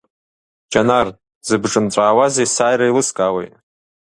Џьанар дзыбҿынҵәаауаз есааира еилыскаауеит.